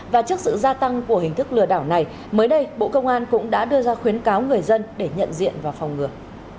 và trước sự gia tăng của hình thức lừa đảo này mới đây bộ công an cũng đã đưa ra khuyến cáo người dân để nhận diện và phòng ngược